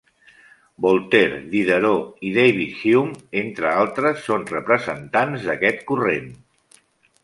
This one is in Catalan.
Voltaire, Diderot i David Hume, entre altres, són representants d'aquest corrent.